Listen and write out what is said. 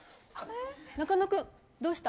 中野君、どうした？